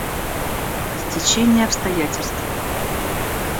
Стечение обстоятельств.